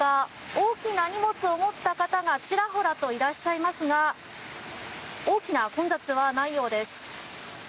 大きな荷物を持った方がちらほらといらっしゃいますが大きな混雑はないようです。